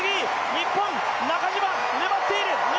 日本の中島粘っている！